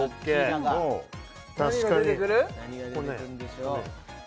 何が出てくるんでしょう？